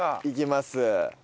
いきます。